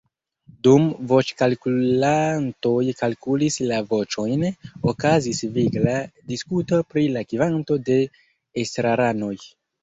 Dum voĉkalkulantoj kalkulis la voĉojn, okazis vigla diskuto pri la kvanto de estraranoj.